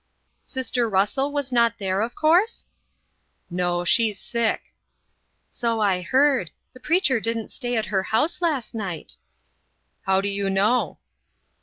"Sister Russell was not there, of course?" "No; she's sick." "So I heard. The preacher didn't stay at her house last night." "How do you know?"